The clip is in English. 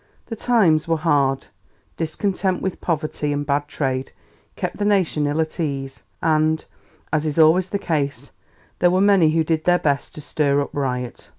The times were hard; discontent with poverty and bad trade kept the nation ill at ease, and, as is always the case, there were many who did their best to stir up riot.